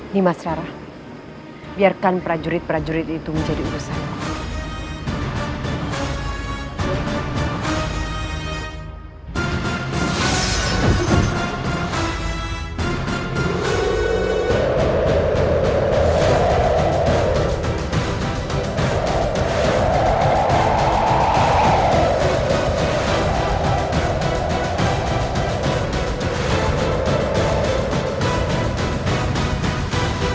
nih mas rara biarkan prajurit prajurit itu menjadi urusanmu